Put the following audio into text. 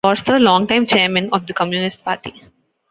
Foster, longtime Chairman of the Communist Party.